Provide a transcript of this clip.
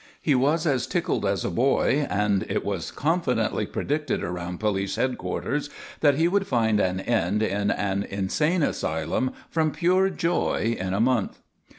He was as tickled as a boy, and it was confidently predicted around police headquarters that he would find an end in an insane asylum from pure joy in a month.